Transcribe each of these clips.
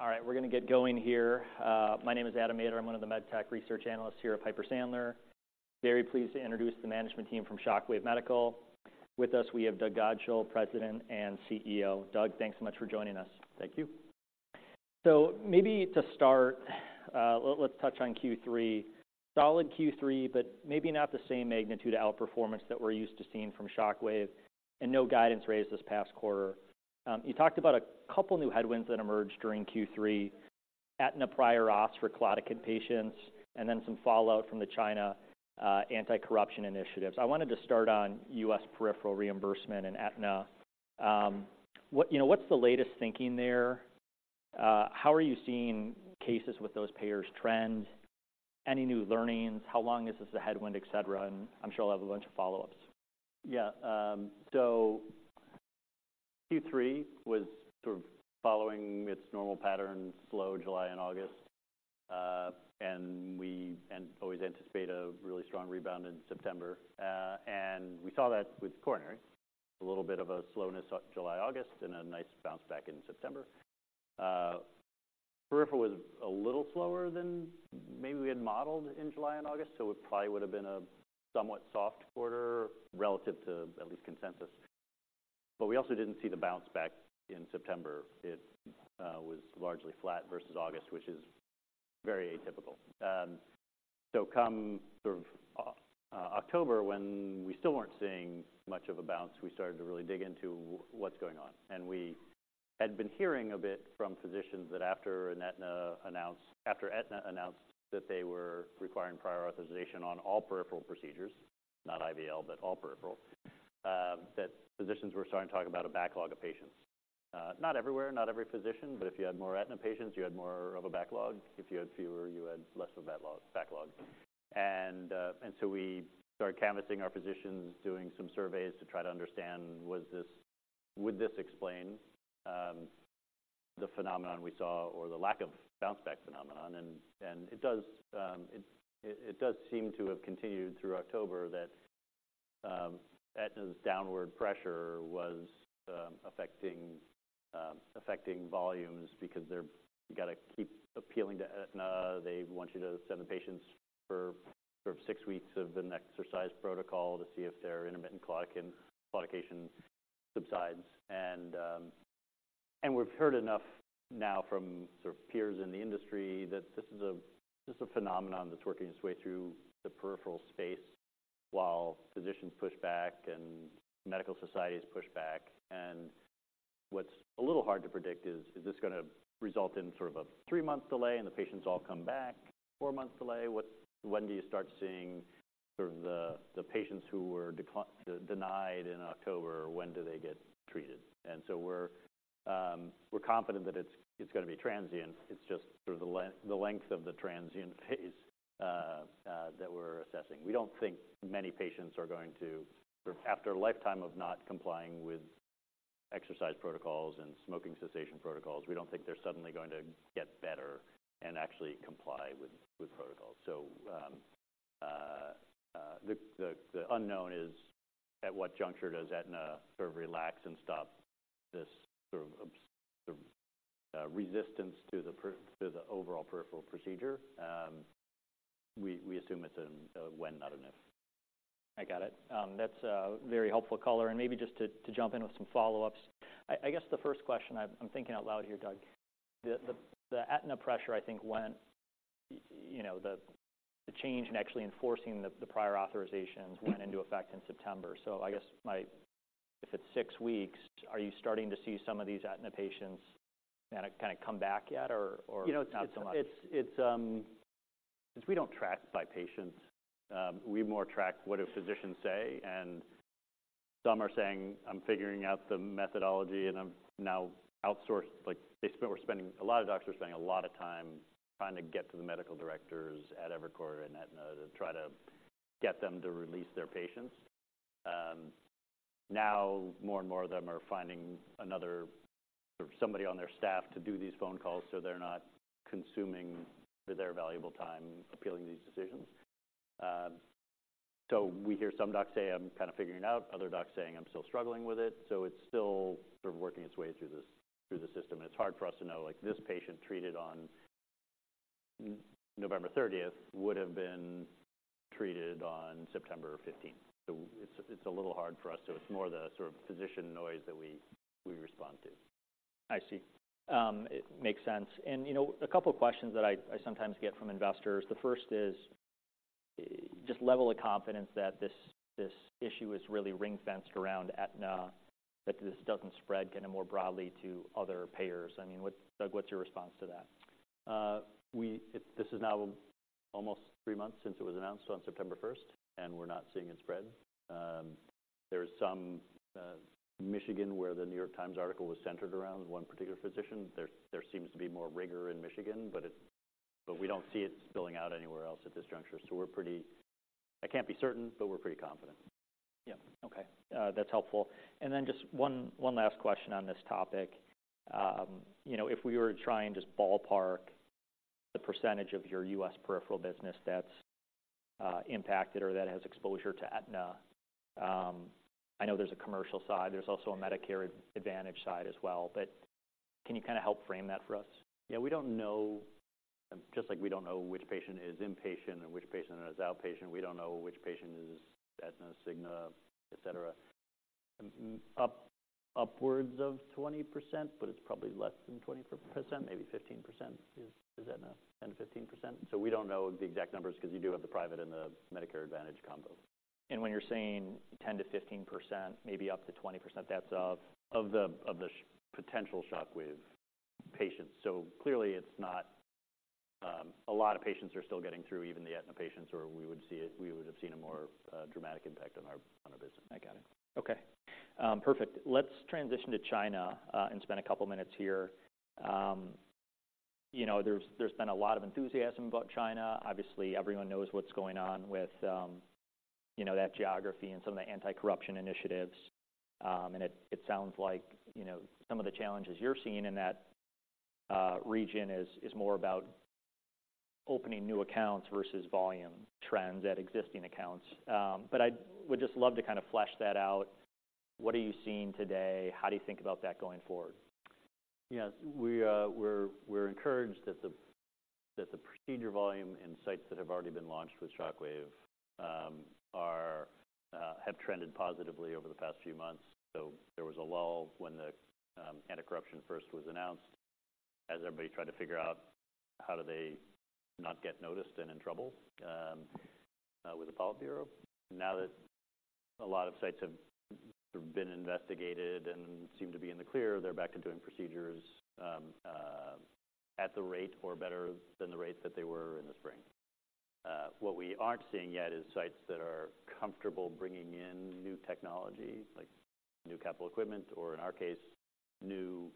All right, we're going to get going here. My name is Adam Maeder. I'm one of the med tech research analysts here at Piper Sandler. Very pleased to introduce the management team from Shockwave Medical. With us, we have Doug Godshall, President and CEO. Doug, thanks so much for joining us. Thank you. Maybe to start, let's touch on Q3. Solid Q3, but maybe not the same magnitude outperformance that we're used to seeing from Shockwave, and no guidance raised this past quarter. You talked about a couple new headwinds that emerged during Q3, Aetna prior auth for claudication patients, and then some fallout from the China anti-corruption initiatives. I wanted to start on US peripheral reimbursement and Aetna. What, you know, what's the latest thinking there? How are you seeing cases with those payers trend? Any new learnings? How long is this a headwind, et cetera, and I'm sure I'll have a bunch of follow-ups. Yeah, so Q3 was sort of following its normal pattern, slow July and August we always anticipate a really strong rebound in September, and we saw that with coronary, a little bit of a slowness July, August, and a nice bounce back in September. Peripheral was a little slower than maybe we had modeled in July and August, so it probably would have been a somewhat soft quarter relative to at least consensus. We also didn't see the bounce back in September. It was largely flat versus August, which is very atypical. So come sort of October, when we still weren't seeing much of a bounce, we started to really dig into what's going on. We had been hearing a bit from physicians that after Aetna announced that they were requiring prior authorization on all peripheral procedures, not IVL, but all peripheral, that physicians were starting to talk about a backlog of patients. Not everywhere, not every physician, but if you had more Aetna patients, you had more of a backlog. If you had fewer, you had less of a backlog. We started canvassing our physicians, doing some surveys to try to understand, would this explain the phenomenon we saw or the lack of bounce back phenomenon? It does seem to have continued through October, that Aetna's downward pressure was affecting volumes because they're, you got to keep appealing to Aetna. They want you to send the patients for sort of six weeks of an exercise protocol to see if their intermittent claudication subsides. And we've heard enough now from sort of peers in the industry that this is a, this is a phenomenon that's working its way through the peripheral space while physicians push back and medical societies push back. And what's a little hard to predict is, is this going to result in sort of a three-month delay and the patients all come back, four-month delay? When do you start seeing sort of the, the patients who were denied in October, when do they get treated? And so we're confident that it's, it's going to be transient. It's just sort of the length of the transient phase that we're assessing. We don't think many patients are going to, after a lifetime of not complying with exercise protocols and smoking cessation protocols, we don't think they're suddenly going to get better and actually comply with protocols. So, the unknown is at what juncture does Aetna sort of relax and stop this sort of resistance to the overall peripheral procedure? We assume it's a when, not a if. I got it. That's a very helpful color, and maybe just to jump in with some follow-ups. I guess the first question, I'm thinking out loud here, Doug. The Aetna pressure, I think, went, you know, the change in actually enforcing the prior authorizations went into effect in September. So I guess my... If it's six weeks, are you starting to see some of these Aetna patients kind of come back yet or- You know- Not so much. It's since we don't track by patients, we more track what do physicians say, and some are saying, "I'm figuring out the methodology, and I'm now outsource." Like, they spent, we're spending, a lot of doctors are spending a lot of time trying to get to the medical directors at EviCore and Aetna to try to get them to release their patients. Now more and more of them are finding another or somebody on their staff to do these phone calls, so they're not consuming their valuable time appealing these decisions. We hear some docs say, "I'm kind of figuring it out," other docs saying, "I'm still struggling with it." So it's still sort of working its way through this, through the system, and it's hard for us to know, like, this patient treated on November thirtieth would have been treated on September fifteenth. So it's, it's a little hard for us, so it's more the sort of physician noise that we, we respond to. I see. It makes sense. You know, a couple of questions that I sometimes get from investors. The first is just level of confidence that this issue is really ring-fenced around Aetna, that this doesn't spread kind of more broadly to other payers. I mean, what—Doug, what's your response to that? This is now almost three months since it was announced on September first, and we're not seeing it spread. There is some Michigan, where the New York Times article was centered around one particular physician. There seems to be more rigor in Michigan, but we don't see it spilling out anywhere else at this juncture. So we're pretty... I can't be certain, but we're pretty confident. Yeah. Okay, that's helpful. And then just one, one last question on this topic. You know, if we were trying just ballpark the percentage of your U.S. peripheral business that's impacted or that has exposure to Aetna. I know there's a commercial side, there's also a Medicare Advantage side as well, but can you kind of help frame that for us? Yeah, we don't know, just like we don't know which patient is inpatient and which patient is outpatient. We don't know which patient is Aetna, Cigna, et cetera. Upwards of 20%, but it's probably less than 20%. Maybe 15% is Aetna, 10%-15%. So we don't know the exact numbers, because you do have the private and the Medicare Advantage combo. When you're saying 10%-15%, maybe up to 20%, that's of? Of the potential Shockwave patients. So clearly it's not a lot of patients are still getting through, even the Aetna patients, or we would see it, we would have seen a more dramatic impact on our business. I got it. Okay. Perfect. Let's transition to China and spend a couple minutes here. You know, there's been a lot of enthusiasm about China. Obviously, everyone knows what's going on with, you know, that geography and some of the anti-corruption initiatives. And it sounds like, you know, some of the challenges you're seeing in that region is more about opening new accounts versus volume trends at existing accounts. But I would just love to kind of flesh that out. What are you seeing today? How do you think about that going forward? Yes, we're encouraged that the procedure volume in sites that have already been launched with Shockwave have trended positively over the past few months. So there was a lull when the anti-corruption effort was announced, as everybody tried to figure out how do they not get noticed and in trouble with the Politburo. Now that a lot of sites have sort of been investigated and seem to be in the clear, they're back to doing procedures at the rate or better than the rate that they were in the spring. What we aren't seeing yet is sites that are comfortable bringing in new technology, like new capital equipment, or in our case, new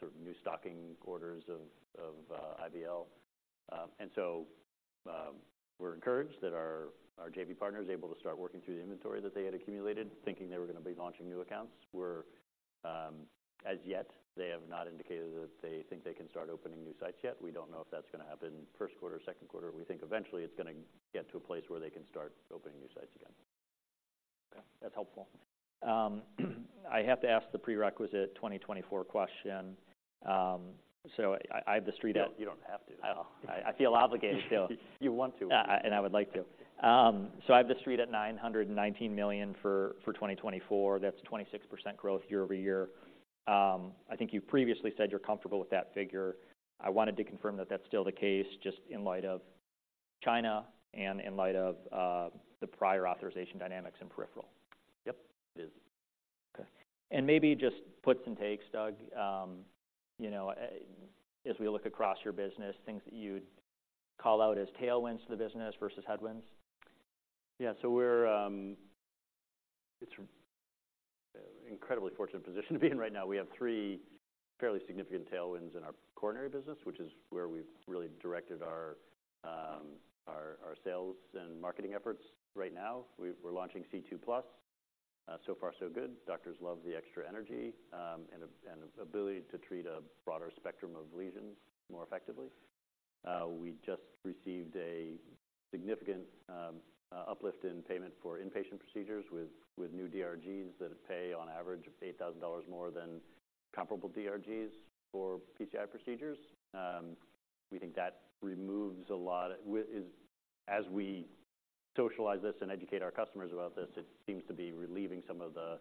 sort of new stocking orders of IVL. We're encouraged that our JV partner is able to start working through the inventory that they had accumulated, thinking they were going to be launching new accounts. Where, as yet, they have not indicated that they think they can start opening new sites yet. We don't know if that's going to happen first quarter, second quarter. We think eventually it's going to get to a place where they can start opening new sites again. Okay, that's helpful. I have to ask the prerequisite 2024 question. So I have the street at- You don't have to. Oh, I feel obligated to. You want to. I have the street at $919 million for 2024. That's 26% growth year-over-year. I think you previously said you're comfortable with that figure. I wanted to confirm that that's still the case, just in light of China and in light of the prior authorization dynamics in peripheral. Yep, it is. Okay. Maybe just puts and takes, Doug. You know, as we look across your business, things that you'd call out as tailwinds to the business versus headwinds. Yeah. We're in an incredibly fortunate position to be in right now. We have three fairly significant tailwinds in our coronary business, which is where we've really directed our sales and marketing efforts right now. We're launching C2+. So far, so good. Doctors love the extra energy and the ability to treat a broader spectrum of lesions more effectively. We just received a significant uplift in payment for inpatient procedures with new DRGs that pay on average $8,000 more than comparable DRGs for PCI procedures. We think that removes a lot. As we socialize this and educate our customers about this, it seems to be relieving some of the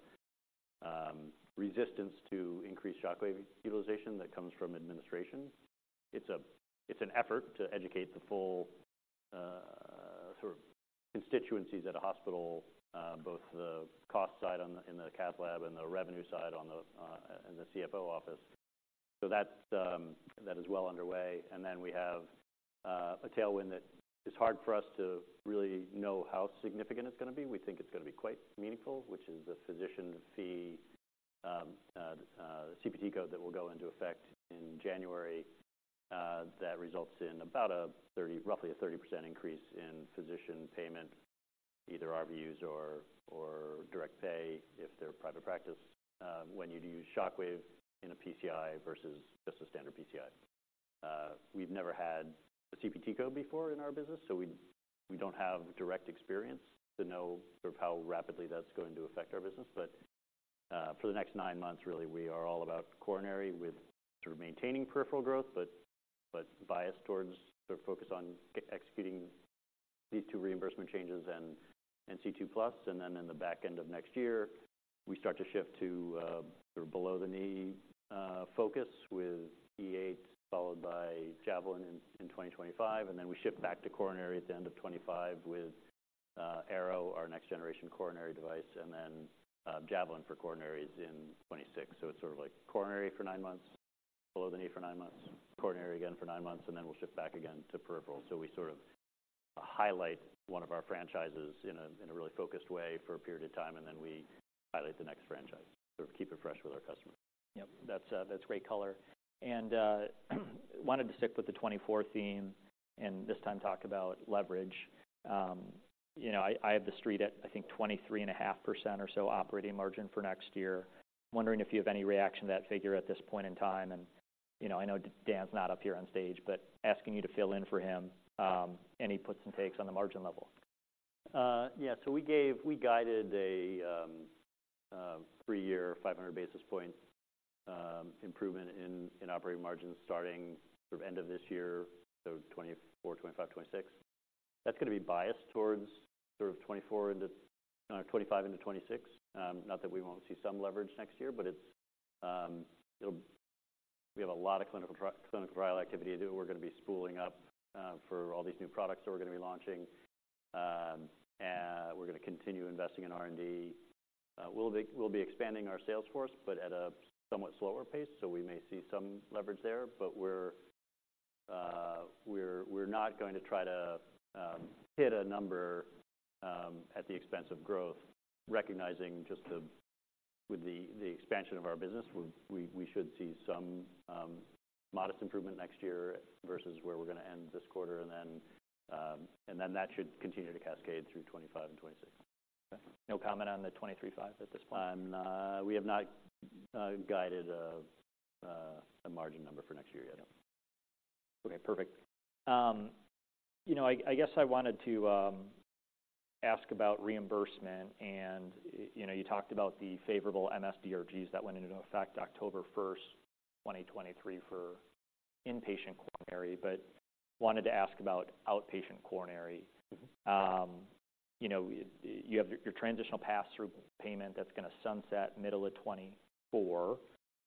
resistance to increased Shockwave utilization that comes from administration. It's an effort to educate the full sort of constituencies at a hospital, both the cost side in the cath lab and the revenue side and the CFO office. So that is well underway. And then we have a tailwind that is hard for us to really know how significant it's going to be. We think it's going to be quite meaningful, which is a physician fee CPT code that will go into effect in January. That results in about a 30, roughly a 30% increase in physician payment, either RVUs or direct pay, if they're private practice, when you use Shockwave in a PCI versus just a standard PCI. We've never had a CPT code before in our business, so we don't have direct experience to know sort of how rapidly that's going to affect our business. But, for the next nine months, really, we are all about coronary with sort of maintaining peripheral growth, but bias towards the focus on executing these two reimbursement changes and C2 Plus. And then in the back end of next year, we start to shift to, sort of below-the-knee, focus with E8 followed by Javelin in 2025, and then we shift back to coronary at the end of 2025 with Arrow, our next generation coronary device, and then Javelin for coronaries in 2026. It's sort of like coronary for 9 months, below the knee for 9 months, coronary again for 9 months, and then we'll shift back again to peripheral. So we sort of highlight one of our franchises in a really focused way for a period of time, and then we highlight the next franchise. Sort of keep it fresh with our customers. Yep, that's great color. And wanted to stick with the 2024 theme... and this time talk about leverage. You know, I, I have the street at, I think, 23.5% or so operating margin for next year. Wondering if you have any reaction to that figure at this point in time, and, you know, I know Dan's not up here on stage, but asking you to fill in for him, any puts and takes on the margin level? Yeah. We gave—we guided a three-year, 500 basis point improvement in operating margins starting sort of end of this year, so 2024, 2025, 2026. That's going to be biased towards sort of 2024 into 2025 into 2026. Not that we won't see some leverage next year, but it's, it'll... We have a lot of clinical trial activity to do. We're going to be spooling up for all these new products that we're going to be launching. And we're going to continue investing in R&D. We'll be expanding our sales force, but at a somewhat slower pace, so we may see some leverage there, but we're not going to try to hit a number at the expense of growth, recognizing just with the expansion of our business, we should see some modest improvement next year versus where we're going to end this quarter. And then that should continue to cascade through 2025 and 2026. Okay. No comment on the $23.5 at this point? We have not guided a margin number for next year yet. Okay, perfect. You know, I guess I wanted to ask about reimbursement. And, you know, you talked about the favorable MS-DRGs that went into effect October 1, 2023, for inpatient coronary, but wanted to ask about outpatient coronary. Mm-hmm. You know, you have your transitional pass-through payment that's going to sunset middle of 2024.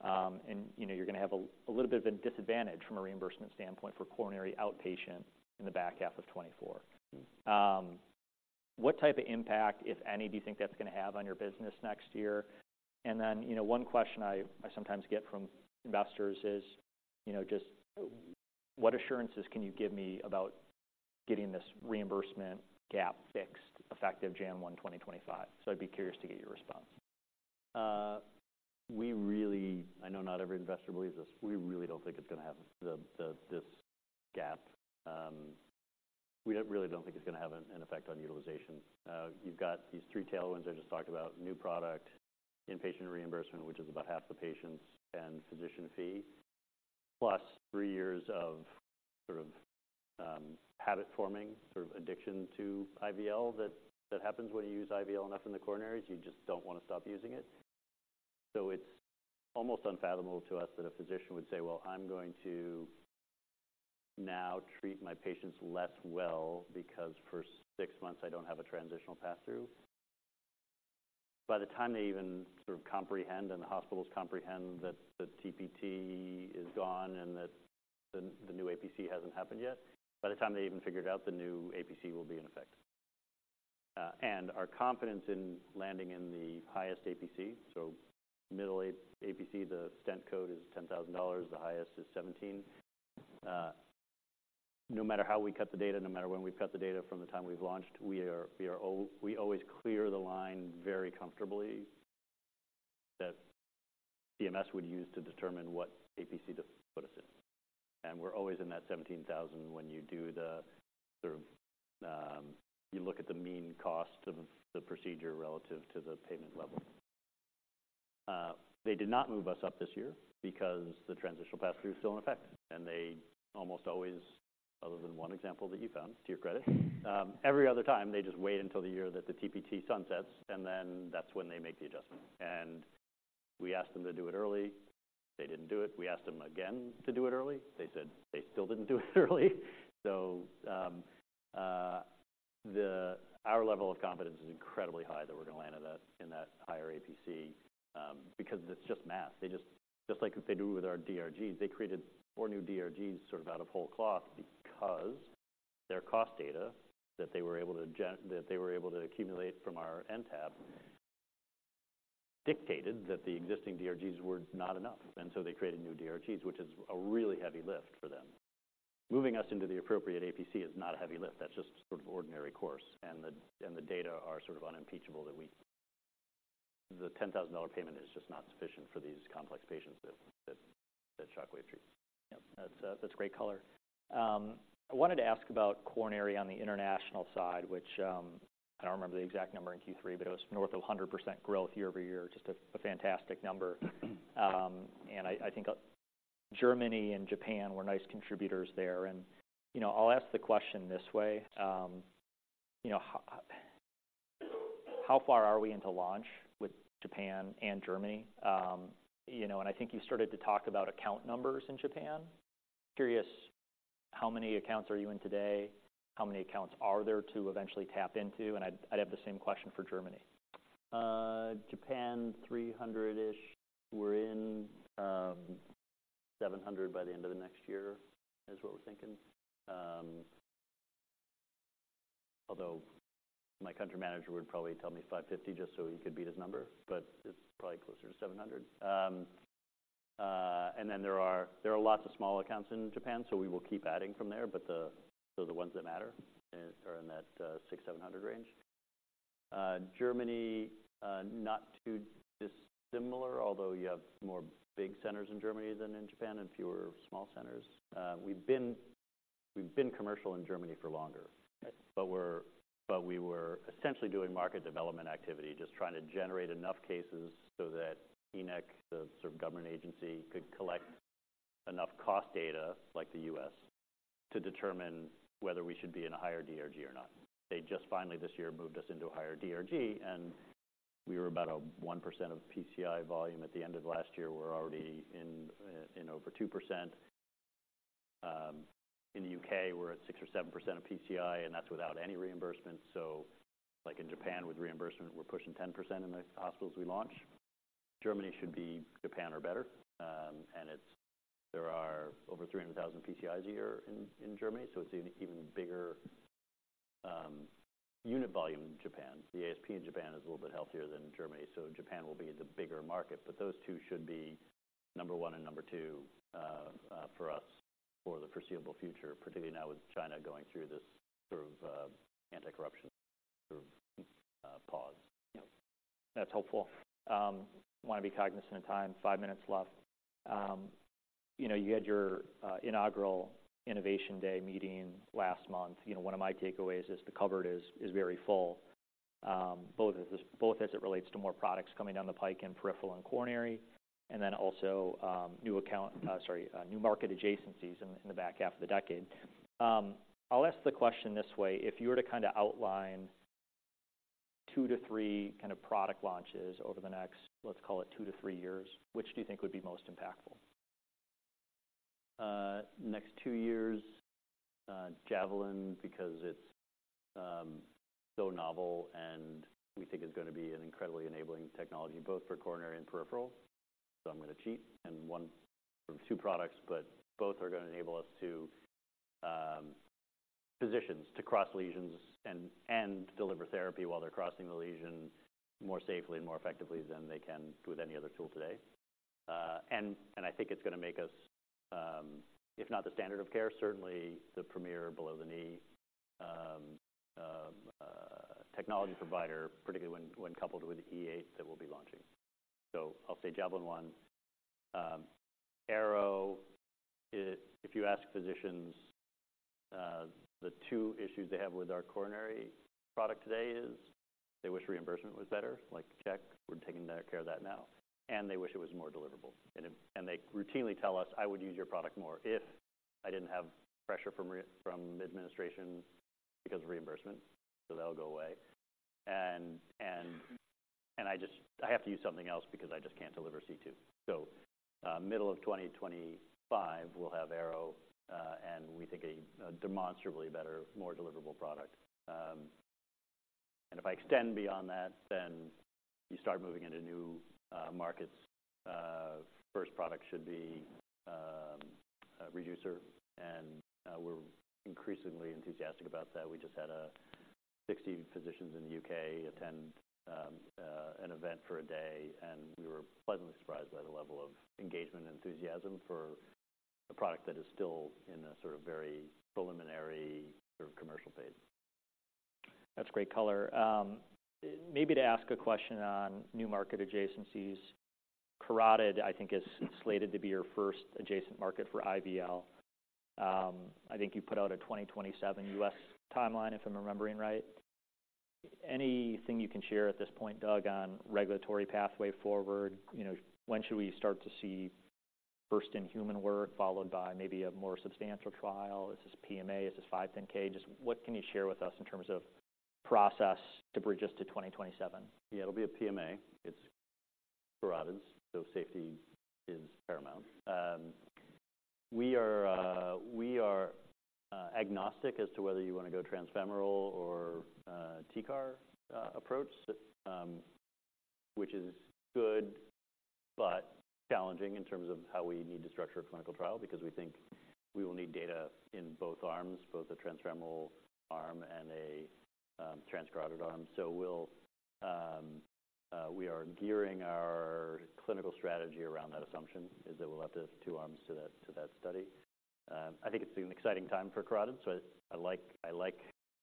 And, you know, you're going to have a little bit of a disadvantage from a reimbursement standpoint for coronary outpatient in the back half of 2024. Mm-hmm. What type of impact, if any, do you think that's going to have on your business next year? Then, you know, one question I sometimes get from investors is, you know, just what assurances can you give me about getting this reimbursement gap fixed effective January 1, 2025? So I'd be curious to get your response. I know not every investor believes this. We really don't think it's going to have this gap. We really don't think it's going to have an effect on utilization. You've got these three tailwinds I just talked about: new product, inpatient reimbursement, which is about half the patients and physician fee, plus three years of habit forming, addiction to IVL. That happens when you use IVL enough in the coronaries; you just don't want to stop using it. It's almost unfathomable to us that a physician would say, "Well, I'm going to now treat my patients less well because for six months I don't have a transitional pass-through." By the time they even sort of comprehend and the hospitals comprehend that the TPT is gone and that the new APC hasn't happened yet, by the time they even figure it out, the new APC will be in effect. Our confidence in landing in the highest APC, so middle A- APC, the stent code is $10,000, the highest is $17,000. No matter how we cut the data, no matter when we cut the data from the time we've launched, we always clear the line very comfortably that CMS would use to determine what APC to put us in. We're always in that 17,000 when you do the, sort of, you look at the mean cost of the procedure relative to the payment level. They did not move us up this year because the transitional pass-through is still in effect, and they almost always, other than one example that you found, to your credit, every other time, they just wait until the year that the TPT sunsets, and then that's when they make the adjustment. We asked them to do it early. They didn't do it. We asked them again to do it early. They said they still didn't do it early. So, our level of confidence is incredibly high that we're going to land at that, in that higher APC, because it's just math. They just like they do with our DRGs, they created four new DRGs sort of out of whole cloth because their cost data that they were able to accumulate from our NTAP dictated that the existing DRGs were not enough, and so they created new DRGs, which is a really heavy lift for them. Moving us into the appropriate APC is not a heavy lift. That's just sort of ordinary course, and the data are sort of unimpeachable, that we... The $10,000 payment is just not sufficient for these complex patients that Shockwave treats. Yeah, that's great color. I wanted to ask about coronary on the international side, which, I don't remember the exact number in Q3, but it was north of 100% growth year-over-year. Just a fantastic number. I think Germany and Japan were nice contributors there. You know, I'll ask the question this way, you know, how far are we into launch with Japan and Germany? You know, and I think you started to talk about account numbers in Japan. Curious, how many accounts are you in today? How many accounts are there to eventually tap into? And I'd have the same question for Germany. Japan, 300-ish. We're in 700 by the end of the next year, is what we're thinking. Although my country manager would probably tell me 550, just so he could beat his number, but it's probably closer to 700. And then there are lots of small accounts in Japan, so we will keep adding from there, but so the ones that matter are in that 600-700 range. Germany, not too dissimilar, although you have more big centers in Germany than in Japan and fewer small centers. We've been commercial in Germany for longer. Right. We were essentially doing market development activity, just trying to generate enough cases so that InEK, the sort of government agency, could collect enough cost data, like the U.S., to determine whether we should be in a higher DRG or not. They just finally this year moved us into a higher DRG, and we were about 1% of PCI volume at the end of last year. We're already in over 2%. In the U.K., we're at 6% or 7% of PCI, and that's without any reimbursement. So like in Japan, with reimbursement, we're pushing 10% in the hospitals we launch. Germany should be Japan or better. And there are over 300,000 PCIs a year in Germany, so it's an even bigger unit volume than Japan. The ASP in Japan is a little bit healthier than in Germany, so Japan will be the bigger market. But those two should be number one and number two, for us, for the foreseeable future, particularly now with China going through this sort of, anti-corruption sort of, pause. Yep. That's helpful. Want to be cognizant of time, five minutes left. You had your inaugural Innovation Day meeting last month. One of my takeaways is the cupboard is very full, both as it relates to more products coming down the pike in peripheral and coronary, and then also new market adjacencies in the back half of the decade. I'll ask the question this way: If you were to kind of outline two to three kind of product launches over the next, let's call it two to three years, which do you think would be most impactful? Next two years, Javelin, because it's so novel, and we think it's going to be an incredibly enabling technology, both for coronary and peripheral. So I'm going to cheat, and one from two products, but both are going to enable us to physicians to cross lesions and deliver therapy while they're crossing the lesion more safely and more effectively than they can with any other tool today. I think it's going to make us, if not the standard of care, certainly the premier below-the-knee technology provider, particularly when coupled with E8 that we'll be launching. So I'll say Javelin one. Arrow, if you ask physicians, the two issues they have with our coronary product today is they wish reimbursement was better, like, check, we're taking care of that now, and they wish it was more deliverable. They routinely tell us, "I would use your product more if I didn't have pressure from administration because of reimbursement." So that'll go away. "And I just, I have to use something else because I just can't deliver C2." So, middle of 2025, we'll have Arrow, and we think a demonstrably better, more deliverable product. And if I extend beyond that, then you start moving into new markets. First product should be a Reducer, and we're increasingly enthusiastic about that. We just had 60 physicians in the UK attend an event for a day, and we were pleasantly surprised by the level of engagement and enthusiasm for a product that is still in a sort of very preliminary commercial phase. That's great color. Maybe to ask a question on new market adjacencies. Carotid, I think, is slated to be your first adjacent market for IVL. I think you put out a 2027 US timeline, if I'm remembering right. Anything you can share at this point, Doug, on regulatory pathway forward? You know, when should we start to see first in human work, followed by maybe a more substantial trial? Is this PMA? Is this 510(k)? Just what can you share with us in terms of process to bridge us to 2027? Yeah, it'll be a PMA. It's carotids, so safety is paramount. We are agnostic as to whether you want to go transfemoral or TCAR approach, which is good but challenging in terms of how we need to structure a clinical trial, because we think we will need data in both arms, both a transfemoral arm and a transcarotid arm. So we'll, we are gearing our clinical strategy around that assumption, is that we'll have to have two arms to that, to that study. I think it's an exciting time for carotid, so I like, I like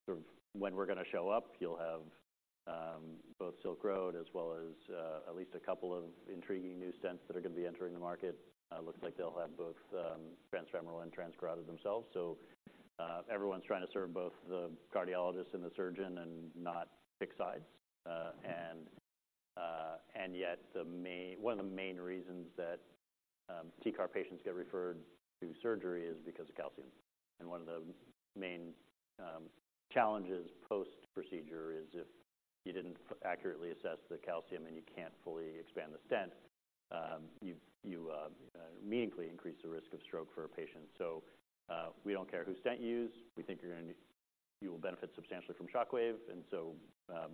sort of when we're going to show up. You'll have both Silk Road as well as at least a couple of intriguing new stents that are going to be entering the market. It looks like they'll have both transfemoral and transcarotid themselves. So, everyone's trying to serve both the cardiologist and the surgeon and not pick sides. Yet, the main one of the main reasons that TCAR patients get referred to surgery is because of calcium. One of the main challenges post-procedure is if you didn't accurately assess the calcium and you can't fully expand the stent, you immediately increase the risk of stroke for a patient. So, we don't care whose stent you use, we think you're going to you will benefit substantially from Shockwave.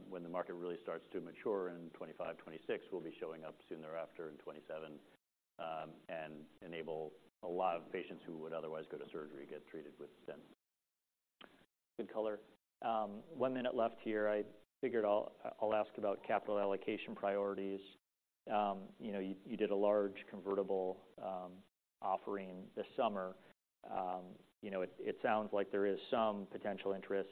When the market really starts to mature in 2025, 2026, we'll be showing up soon thereafter in 2027, and enable a lot of patients who would otherwise go to surgery, get treated with stent. Good color. One minute left here. I figured I'll ask about capital allocation priorities. You know, you did a large convertible offering this summer. You know, it sounds like there is some potential interest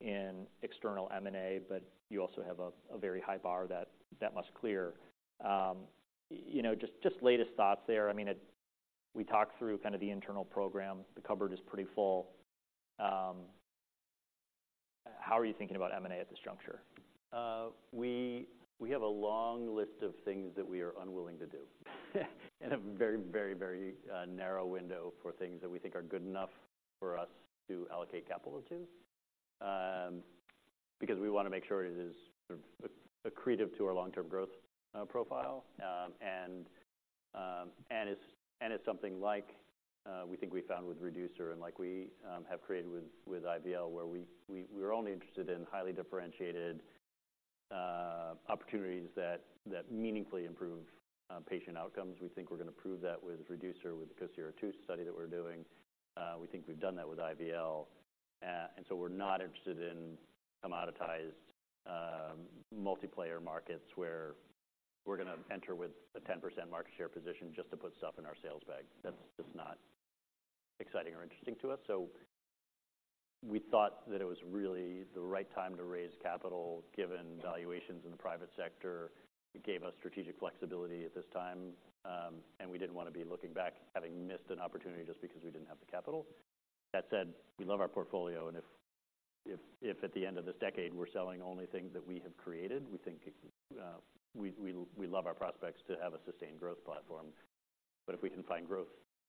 in external M&A, but you also have a very high bar that must clear. You know, just latest thoughts there. I mean, it. We talked through kind of the internal program. The cupboard is pretty full. How are you thinking about M&A at this juncture? We have a long list of things that we are unwilling to do, and a very, very, very narrow window for things that we think are good enough for us to allocate capital to. Because we want to make sure it is sort of accretive to our long-term growth profile, and is something like we think we found with Reducer and like we have created with IVL, where we're only interested in highly differentiated opportunities that meaningfully improve patient outcomes. We think we're going to prove that with Reducer, with the COSIRA-II study that we're doing. We think we've done that with IVL. We're not interested in commoditized, multiplayer markets where we're going to enter with a 10% market share position just to put stuff in our sales bag. That's just not exciting or interesting to us. We thought that it was really the right time to raise capital, given valuations in the private sector. It gave us strategic flexibility at this time, and we didn't want to be looking back, having missed an opportunity just because we didn't have the capital. That said, we love our portfolio, and if at the end of this decade, we're selling only things that we have created, we think we love our prospects to have a sustained growth platform. But if we can find growth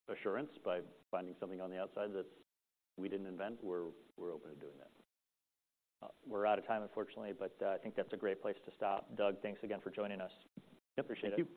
assurance by finding something on the outside that we didn't invent, we're open to doing that. We're out of time, unfortunately, but, I think that's a great place to stop. Doug, thanks again for joining us. Yep. Appreciate it.